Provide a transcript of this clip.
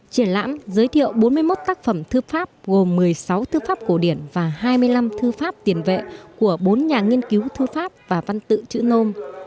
triển lãm giới thiệu bốn mươi một tác phẩm thư pháp gồm một mươi sáu thư pháp cổ điển và hai mươi năm thư pháp tiền vệ của bốn nhà nghiên cứu thư pháp và văn tự chữ nôm